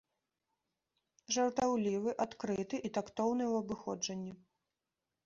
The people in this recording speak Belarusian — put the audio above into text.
Жартаўлівы, адкрыты і тактоўны у абыходжанні.